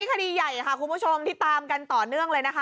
คดีใหญ่ค่ะคุณผู้ชมที่ตามกันต่อเนื่องเลยนะคะ